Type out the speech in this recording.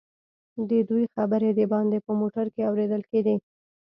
ددوئ خبرې دباندې په موټر کې اورېدل کېدې.